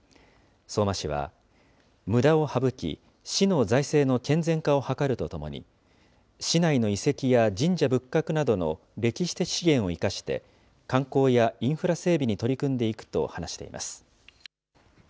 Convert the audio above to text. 相馬氏は、むだを省き、市の財政の健全化を図るとともに、市内の遺跡や神社仏閣などの歴史的資源を生かして、観光やインフラ整備に取り組んでいくと話しています。